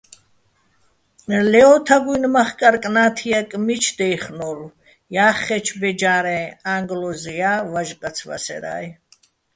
ლე ო თაგუჲნი̆ მახკარ-კნა́თიაკ მიჩკ დეხნო́ლო̆, ჲა́ხხეჩო̆ ბეჯა́რეჼ ა́ჼგლოზია́ჲ, ვაჟკაც ვასერა́ჲ.